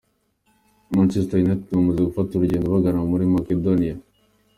Manchester United bamaze gufata urugendo bagana muri Macedonia .